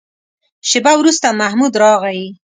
شېبه وروسته محمود راغی.